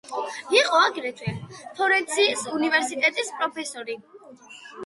იყო აგრეთვე ფლორენციის უნივერსიტეტის პროფესორი.